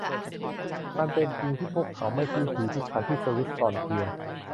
มันเป็นจริงที่พวกเขาไม่พิถีพิถันที่สวิส ฟรอนเทียร์